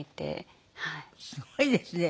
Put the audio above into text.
すごいですね。